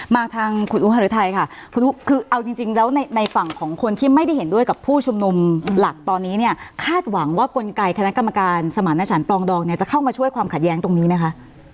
มาทางคุณอุฮารุทัยค่ะคุณอุ๊คือเอาจริงแล้วในฝั่งของคนที่ไม่ได้เห็นด้วยกับผู้ชุมนุมหลักตอนนี้เนี่ยคาดหวังว่ากลไกคณะกรรมการสมารณสารปลองดองเนี่ยจะเข้ามาช่วยความขัดแย้งตรงนี้ไหมคะ